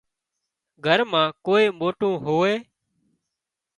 گھر مان ڪوئي موٽو هوئي